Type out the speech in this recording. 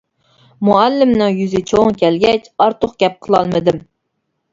مۇئەللىمىنىڭ يۈزى چوڭ كەلگەچ ئارتۇق گەپ قىلالمىدىم.